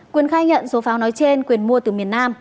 quyền khai nhận số pháo nói trên quyền mua từ miền nam